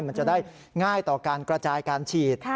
มันจะได้ง่ายต่อการกระจายการฉีด